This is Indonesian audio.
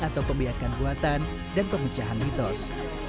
atau pembiakan buatan dan pemecahan mitos